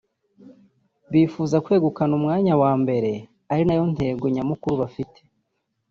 bifuza kwegukana umwanya wa mbere ari nayo ntego nyamukuru bafite